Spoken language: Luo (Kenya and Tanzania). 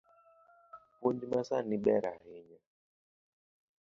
Puonj masani ber ahinya